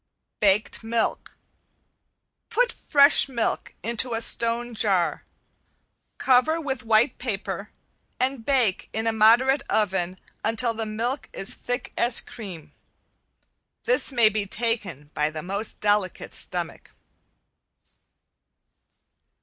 ~BAKED MILK~ Put fresh milk into a stone jar, cover with white paper and bake in a moderate oven until the milk is thick as cream. This may be taken by the most delicate stomach.